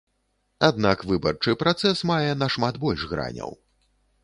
Аднак выбарчы працэс мае нашмат больш граняў.